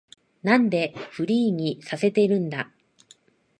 なんでフリーにさせてるんだ